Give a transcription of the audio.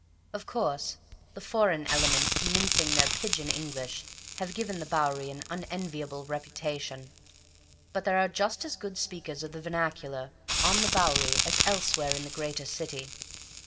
Of course, the foreign element mincing their "pidgin" English have given the Bowery an unenviable reputation, but there are just as good speakers of the vernacular on the Bowery as elsewhere in the greater city.